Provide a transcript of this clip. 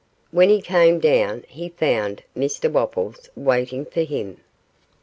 When he came down he found Mr Wopples waiting for him.